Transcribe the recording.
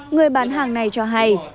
người bán hàng này cho hay